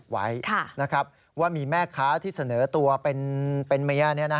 ฮ่าฮ่าฮ่าฮ่าฮ่าฮ่าฮ่าฮ่า